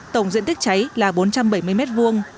tổng diện tích cháy là bốn trăm bảy mươi mét vuông